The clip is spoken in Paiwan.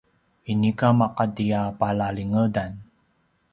inika maqati a palalingedan